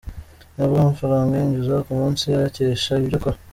Ntavuga amafaranga yinjiza ku munsi ayakesha ibyo akora.